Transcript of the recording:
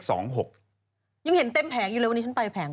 ยังเห็นเต็มแผงอยู่เลยวันนี้ฉันไปแผง